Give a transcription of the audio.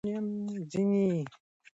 ځینې ناروغان ښه والی احساسوي.